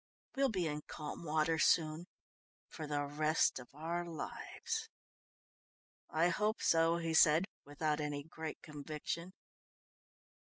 We'll be in calm water soon, for the rest of our lives." "I hope so," he said without any great conviction.